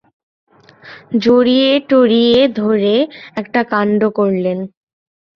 জড়িয়ে-টড়িয়ে ধরে একটা কাণ্ড করলেন।